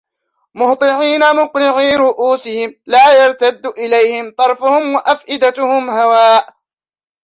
مُهْطِعِينَ مُقْنِعِي رُءُوسِهِمْ لَا يَرْتَدُّ إِلَيْهِمْ طَرْفُهُمْ وَأَفْئِدَتُهُمْ هَوَاءٌ